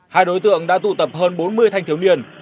hai đối tượng đã tụ tập hơn bốn mươi thanh thiếu niên